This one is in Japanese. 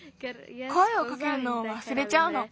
こえをかけるのをわすれちゃうの。